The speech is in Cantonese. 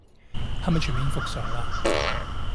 係咪全面復常嘞